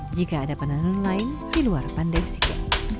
jika ada penanduan lain di luar pandai sike